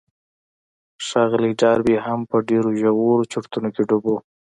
ښاغلی ډاربي هم په ډېرو ژورو چورتونو کې ډوب و.